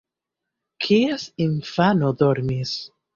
Kies infano dormis?